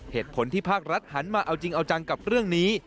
เหตุผลที่ภาครัฐหันมาเอาจริงเอาจังกับเรื่องนี้